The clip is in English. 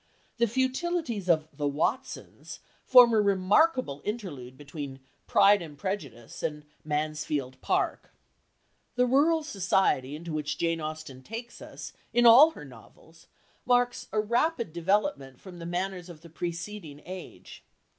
The futilities of The Watsons form a remarkable interlude between Pride and Prejudice and Mansfield Park. The rural society into which Jane Austen takes us in all her novels marks a rapid development from the manners of the preceding age.